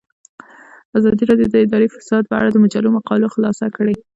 ازادي راډیو د اداري فساد په اړه د مجلو مقالو خلاصه کړې.